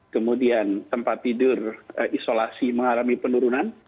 kemudian tempat tidur isolasi mengalami penurunan